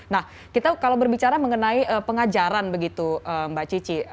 nah kita kalau berbicara mengenai pengajaran begitu mbak cici